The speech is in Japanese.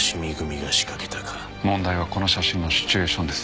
問題はこの写真のシチュエーションです。